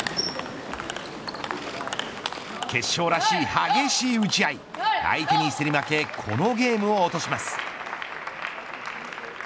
決勝らしい激しい打ち合い相手に競り負けこのゲームを落とします。